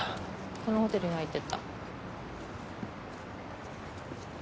このホテルに入っていった。